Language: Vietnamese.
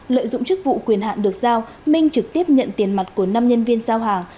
lợi dụng chức vụ quyền hạn được giao minh trực tiếp nhận tiền mặt của năm nhân viên giao hàng